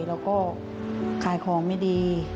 แล้วก็ขายของไม่ดี